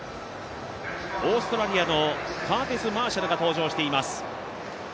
オーストラリアのカーティス・マーシャルが登場しています。